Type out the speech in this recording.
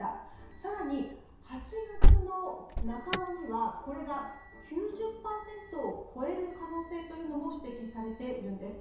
更に８月の半ばにはこれが９０％を超える可能性というのも指摘されているんです。